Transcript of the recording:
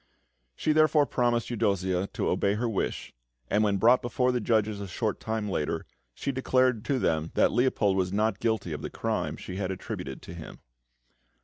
She therefore promised Eudossia to obey her wish; and when brought before the judges a short time later, she declared to them that Leopold was not guilty of the crime she had attributed to him.